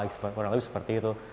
kurang lebih seperti itu